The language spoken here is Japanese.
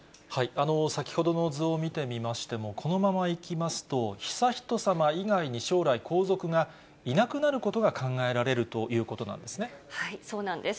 先ほどの図を見てみましても、このままいきますと、悠仁さま以外に将来、皇族がいなくなることが考えられるというこそうなんです。